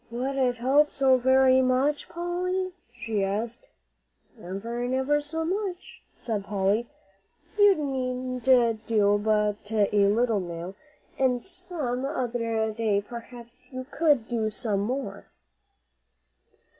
"Would it help so very much, Polly?" she asked. "Ever an' ever so much," said Polly. "You needn't do but a little now, an' some other day p'raps you could do some more."